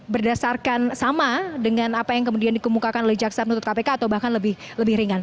berdasarkan sama dengan apa yang kemudian dikemukakan oleh jaksa penuntut kpk atau bahkan lebih ringan